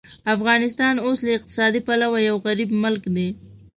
افغانستان اوس له اقتصادي پلوه یو غریب ملک دی.